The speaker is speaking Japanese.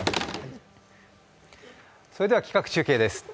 それでは企画中継です。